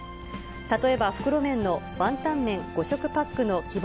例えば袋麺のワンタンメン５食パックの希望